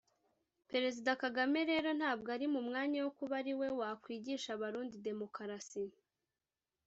Perezida Kagame rero ntabwo ari mu mwanya wo kuba ari we wakwigisha abarundi demokarasi